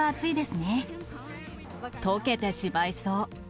溶けてしまいそう。